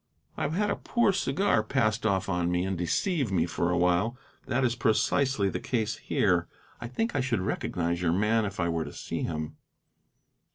"I have had a poor cigar passed off on me and deceive me for a while. That is precisely the case here. I think I should recognize your man if I were to see him."